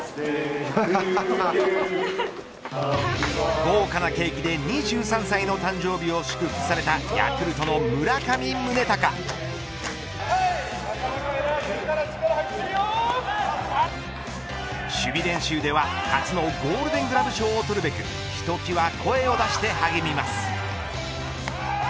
豪華なケーキで２３歳の誕生日を祝福された守備練習では初のゴールデン・グラブ賞を取るべくひときわ声を出して励みます。